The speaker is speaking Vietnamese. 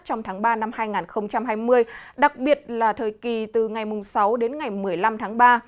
trong tháng ba năm hai nghìn hai mươi đặc biệt là thời kỳ từ ngày sáu đến ngày một mươi năm tháng ba